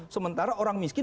sementara orang miskin